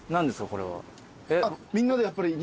これは。